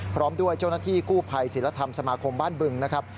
พร้อมด้วยเจ้าหน้าที่กู้ภัยศิลธรรมสมาคมบ้านบึงนะครับ